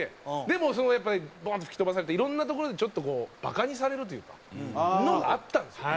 でもやっぱりボン！って吹き飛ばされていろんなところでちょっとこうバカにされるというかのがあったんですよ。